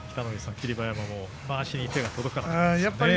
霧馬山も、まわしに手が届かなかったですかね。